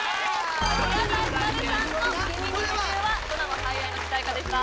宇多田ヒカルさんの「君に夢中」はドラマ「最愛」の主題歌でした